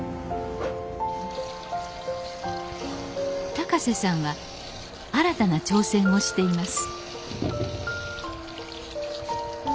高瀬さんは新たな挑戦をしています